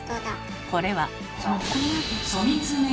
これは。